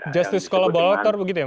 justice kolaborator begitu ya mas